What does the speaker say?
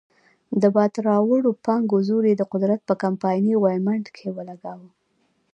د باد راوړو پانګو زور یې د قدرت په کمپایني غویمنډ کې ولګاوه.